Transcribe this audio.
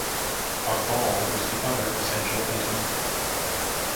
A ball is the other essential item.